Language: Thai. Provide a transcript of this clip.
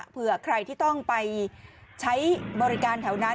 เผื่อใครที่ต้องไปใช้บริการแถวนั้น